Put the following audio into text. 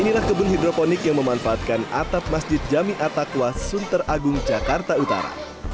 inilah kebun hidroponik yang memanfaatkan atap masjid jami atakwa sunter agung jakarta utara